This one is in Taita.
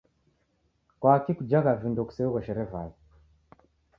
Kwaki kujagha vindo kuseoghoshere vala?